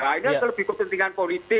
nah ini yang terlebih kepentingan politik